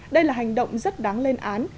đây là hành động rất đáng lên án